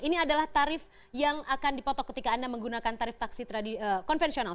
ini adalah tarif yang akan dipotok ketika anda menggunakan tarif taksi konvensional